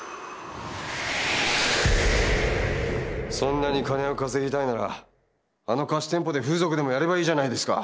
そんなに金を稼ぎたいならあの貸し店舗で風俗でもやればいいじゃないですか。